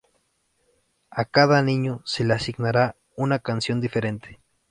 A cada niño se le asignará una canción diferente.